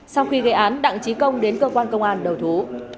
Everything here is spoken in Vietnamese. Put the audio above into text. sau khi gây án đặng trí công đến cơ quan công an đầu thú